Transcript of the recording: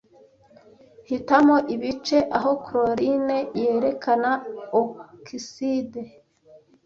Hitamo ibice aho chlorine yerekana okiside